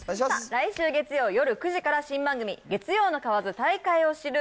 来週月曜夜９時から、新番組、月曜の蛙、大会を知る。